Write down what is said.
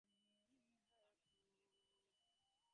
Charlotte, এই তো তুমি।